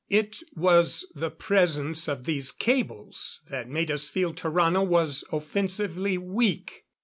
It was the presence of these cables that made us feel Tarrano was offensively weak.